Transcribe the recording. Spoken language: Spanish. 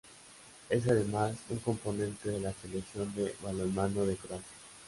Es además, un componente de la Selección de balonmano de Croacia.